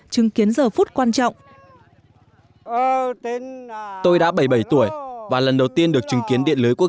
chứng kiến giờ phút quan trọng tôi đã bảy mươi bảy tuổi và lần đầu tiên được chứng kiến điện lưới quốc